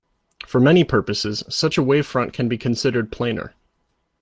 For many purposes, such a wavefront can be considered planar.